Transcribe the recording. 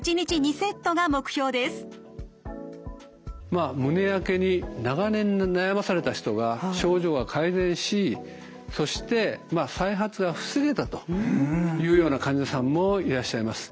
まあ胸やけに長年悩まされた人が症状が改善しそして再発が防げたというような患者さんもいらっしゃいます。